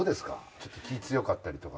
ちょっと気強かったりとか。